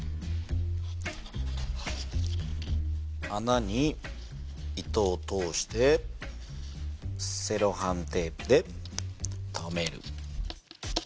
あなに糸を通してセロハンテープでとめる。